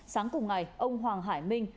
sáng cùng ngày ông hoàng hải minh